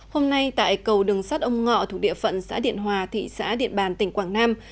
hôm nay tại cầu đường sắt ông ngọ thuộc địa phận xã điện hòa thị xã điện bàn tỉnh quảng nam